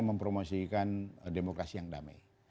mempromosikan demokrasi yang damai